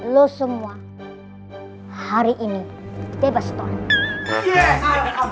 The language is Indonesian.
lu semua hari ini tebas ton